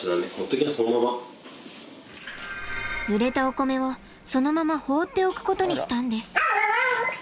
ぬれたおこめをそのまま放っておくことにしたんです。